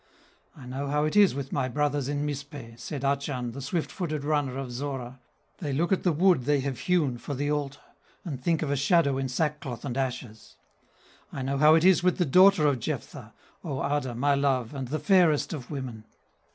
"I know how it is with my brothers in Mizpeh," Said Achan, the swift footed runner of Zorah, "They look at the wood they have hewn for the altar; And think of a shadow in sackcloth and ashes. "I know how it is with the daughter of Jephthah, (O Ada, my love, and the fairest of women!)